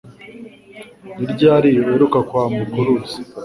Ni ryari uheruka kwambuka uruzi?